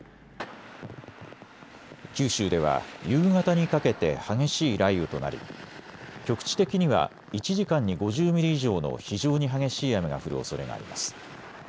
九州では夕方にかけて激しい雷雨となり局地的には１時間に５０ミリ以上の非常に激しい雨が降るおそれがあります。